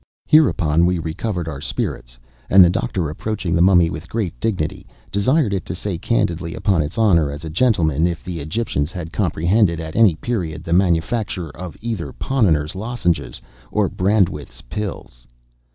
Hereupon we recovered our spirits, and the Doctor, approaching the Mummy with great dignity, desired it to say candidly, upon its honor as a gentleman, if the Egyptians had comprehended, at any period, the manufacture of either Ponnonner's lozenges or Brandreth's pills.